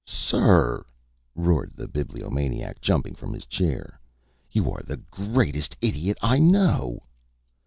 "Sir!" roared the Bibliomaniac, jumping from his chair. "You are the greatest idiot I know."